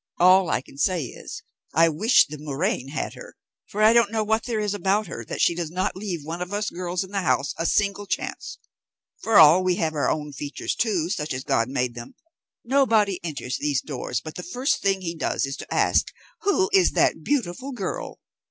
All I can say is, I wish the murrain had her, for I don't know what there is about her, that she does not leave one of us girls in the house a single chance, for all we have our own features too, such as God made them. Nobody enters these doors but the first thing he does is to ask, Who is that beautiful girl?